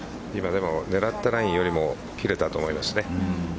狙ったラインよりも切れたと思います。